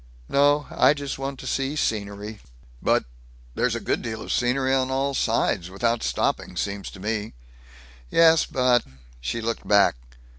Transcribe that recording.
"No. Just want to see scenery." "But There's a good deal of scenery on all sides, without stopping, seems to me!" "Yes, but " She looked back.